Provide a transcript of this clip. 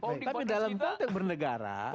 tapi dalam konteks bernegara